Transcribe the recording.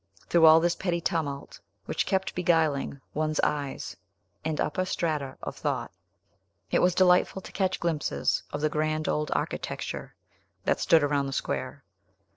Through all this petty tumult, which kept beguiling one's eyes and upper strata of thought, it was delightful to catch glimpses of the grand old architecture that stood around the square.